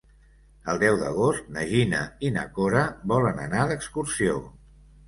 El deu d'agost na Gina i na Cora volen anar d'excursió.